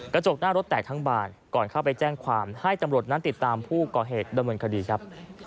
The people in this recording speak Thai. กระจกหน้ารถแตกทั้งบานก่อนเข้าไปแจ้งความให้ตำรวจนั้นติดตามผู้ก่อเหตุดำเนินคดีครับ